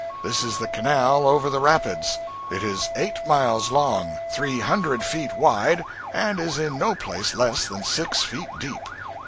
This is the canal over the Rapids. It is eight miles long, three hundred feet wide, and is in no place less than six feet deep.